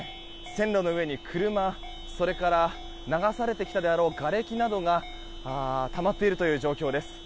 線路の上に車、それから流されてきたであろうがれきなどがたまっているという状況です。